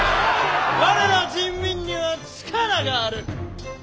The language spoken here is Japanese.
我ら人民には力がある！